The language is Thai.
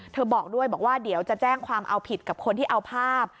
เธอบอกด้วยจะแจ้งความเอาผิดกับคนที่เอาภาพ